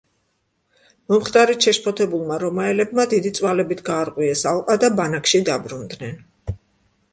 მომხდარით შეშფოთებულმა რომაელებმა დიდი წვალებით გაარღვიეს ალყა და ბანაკში დაბრუნდნენ.